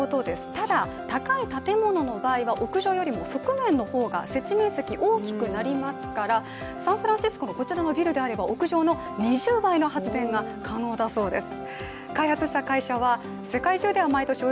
ただ、高い建物の場合は屋上よりも側面の方が設置面積多くなりますからサンフランシスコのこちらのビルであれば屋上の２０倍の発電が可能だそうです。